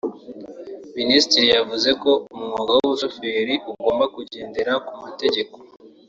Minisitiri yavuze ko umwuga w’ubushoferi ugomba kugendera ku mategeko